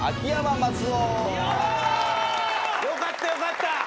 よかったよかった。